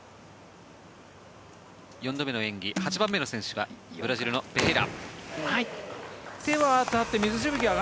４度目の演技、８番目の選手はブラジルのペヘイラ。